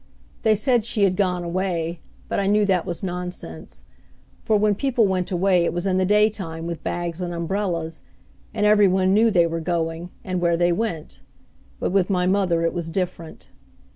They said she had gone away, but I knew that was nonsense; for when people went away it was in the daytime with bags and umbrellas, and every one knew they were going, and where they went, but with my mother it was different.